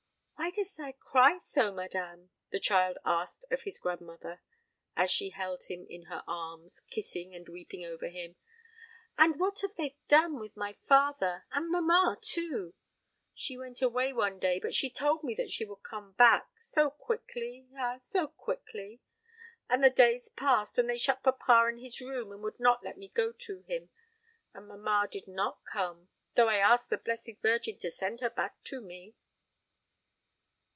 "Why dost thou cry so, madame?" the child asked of his grandmother, as she held him in her arms, kissing and weeping over him; "and what have they done with my father and mamma too? She went away one day, but she told me that she would come back, so quickly, ah, so quickly! and the days passed, and they shut papa in his room, and would not let me go to him; and mamma did not come, though I asked the Blessed Virgin to send her back to me."